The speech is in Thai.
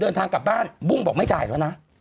เดินทางกลับบ้านบุ้งบอกไม่จ่ายแล้วนะ